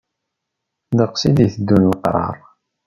Deg-s i d-iteddu leqrar.